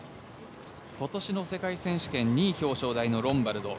今年の世界選手権２位表彰台のロンバルド。